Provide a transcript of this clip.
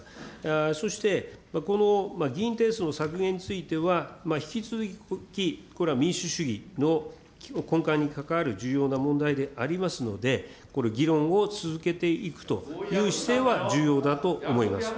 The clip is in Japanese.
そしてこの議員定数の削減については、引き続き、これは民主主義の根幹に関わる重要な問題でありますので、これ、議論を続けていくという姿勢は重要だと思います。